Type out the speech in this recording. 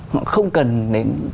họ không cần đến